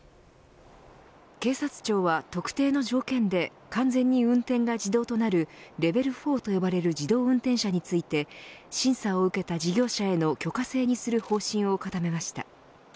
警察庁は、特定の条件で完全に運転が自動となるレベル４と呼ばれる自動運転車について審査を受けた事業者への許可制にする方針を固めました。